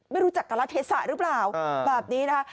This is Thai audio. ไม่รู้จักการละเทศะหรือเปล่าแบบนี้นะคะ